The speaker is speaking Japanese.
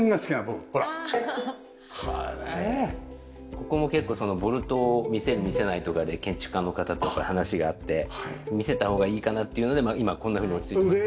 ここも結構ボルトを見せる見せないとかで建築家の方と話があって見せたほうがいいかなっていうので今こんなふうに落ち着いてます。